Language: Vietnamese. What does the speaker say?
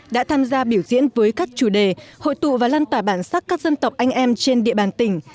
đã tham gia biểu diễn với các chủ đề hội tụ và lan tỏa bản sắc các dân tộc anh em trên địa bàn tỉnh